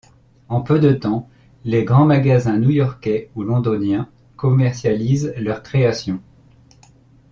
En peu de temps, les grands magasins new-yorkais ou londoniens commercialisent leurs créations.